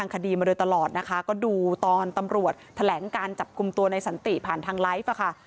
ก็ดูตอนตำรวจแถลงการจับกลุ่มตัวนายสันติผ่านทางไลฟ์